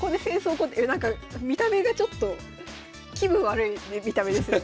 見た目がちょっと気分悪い見た目ですね。